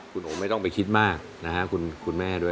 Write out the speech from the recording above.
คุณโอไม่ต้องไปคิดมากนะฮะคุณแม่ด้วย